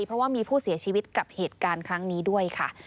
เพราะว่ามีผู้เสียชีวิตกับเหตุการณ์ครั้งนี้ด้วยค่ะ